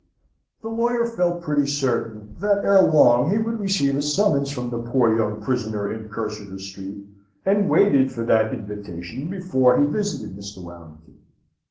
The lawyer felt pretty certain that ere long he would receive a summons from the poor young prisoner in Cursitor Street, and waited for that invitation before he visited Mr. Warrington.